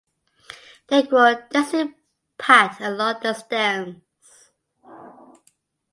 They grow densely packed along the stems.